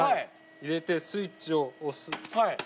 入れてスイッチを押す。